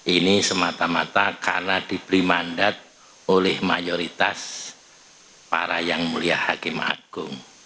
ini semata mata karena diberi mandat oleh mayoritas para yang mulia hakim agung